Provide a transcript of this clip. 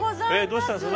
どうしたんです？